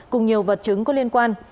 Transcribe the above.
cùng nhiều vật chứng có liên quan